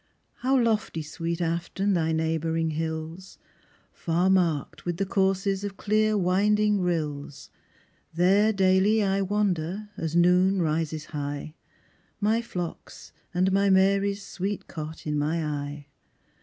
How lofty, sweet Afton, thy neighbouring hills, Far mark'd with the courses of clear, winding rills, There daily I wander as noon rises high, My flocks and my Mary's sweet cot in my eye.